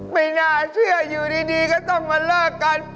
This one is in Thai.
ไม่น่าเชื่ออยู่ดีก็ต้องมาเลิกกัน